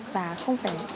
và không phải